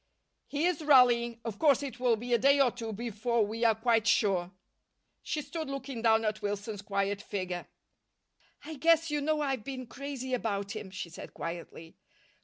"He is rallying. Of course it will be a day or two before we are quite sure." She stood looking down at Wilson's quiet figure. "I guess you know I've been crazy about him," she said quietly.